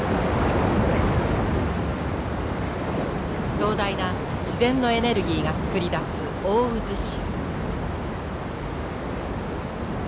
壮大な自然のエネルギーが作り出す大渦潮。